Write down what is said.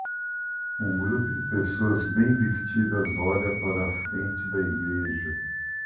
Um grupo de pessoas bem vestidas olha para a frente de uma igreja.